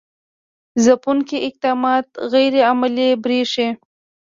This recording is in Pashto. ځپونکي اقدامات غیر عملي برېښي.